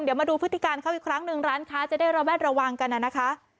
เดี๋ยวมาดูพฤติการเขาอีกครั้งหนึ่งร้านค้าจะได้ระแวดระวังกันนะคะ